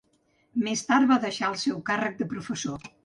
Més tard va deixar el seu càrrec de professor.